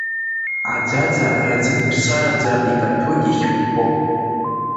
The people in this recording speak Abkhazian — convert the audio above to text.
Аӡаӡа раӡынԥсараӡа, икаҭәоит иахьыкәкәо.